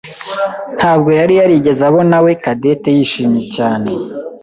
ntabwo yari yarigeze abonawe Cadette yishimye cyane.